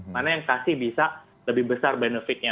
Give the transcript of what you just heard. mana yang kasih bisa lebih besar benefitnya